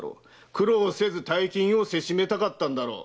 苦労せず大金をせしめたかったんだろう？